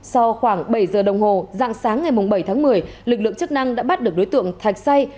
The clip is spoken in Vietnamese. sau khoảng bảy giờ đồng hồ dạng sáng ngày bảy tháng một mươi lực lượng chức năng đã bắt được đối tượng thạch say